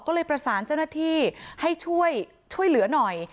ก็เลยประสานเจ้าหน้าที่ให้ช่วยเหลือหน่อย